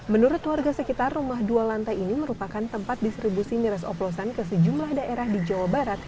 menurut warga sekitar rumah dua lantai ini merupakan tempat distribusi miras oplosan ke sejumlah daerah di jawa barat